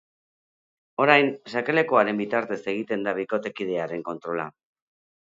Orain sakelakoaren bitartez egiten da bikotekidearen kontrola.